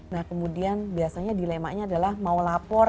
nah kemudian biasanya dilemanya adalah mau lapor